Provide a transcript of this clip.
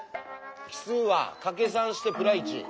奇数はかけ３してプラ１。